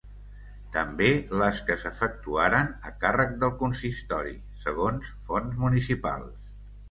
També les que s’efectuaran a càrrec del consistori, segons fonts municipals.